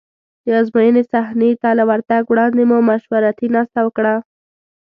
د ازموینې صحنې ته له ورتګ وړاندې مو مشورتي ناسته وکړه.